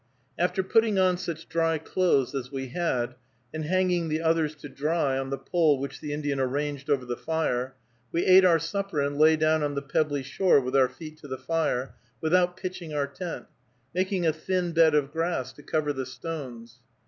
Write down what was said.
After putting on such dry clothes as we had, and hanging the others to dry on the pole which the Indian arranged over the fire, we ate our supper, and lay down on the pebbly shore with our feet to the fire, without pitching our tent, making a thin bed of grass to cover the stones.